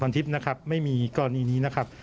ผ่านทิศนะครับไม่มีกรณีนี้นะครับ